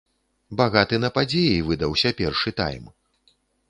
Багаты на падзеі выдаўся першы тайм.